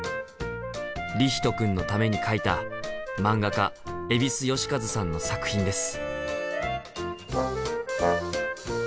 リヒトくんのために描いた漫画家蛭子能収さんの作品です。